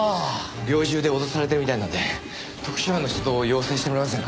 猟銃で脅されてるみたいなんで特殊班の出動を要請してもらえませんか？